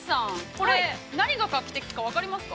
これ何が画期的か分かりますか？